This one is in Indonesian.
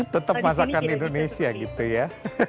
tetap masakan indonesia gitu ya